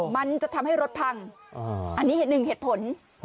มันจะทำให้รถพังอันนี้หนึ่งเหตุผล